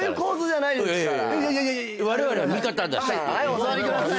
お座りください。